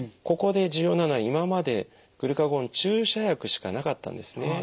ここで重要なのは今までグルカゴン注射薬しかなかったんですね。